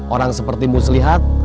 orang seperti muslihat